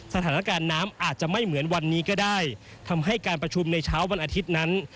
สถานการณ์น้ำอาจจะไม่เหมือนวันนี้ก็ได้ทำให้การประชุมในเช้าวันอาทิตย์นั้น